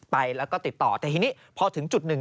ไปแล้วก็ติดต่อแต่ทีนี้พอถึงจุดหนึ่ง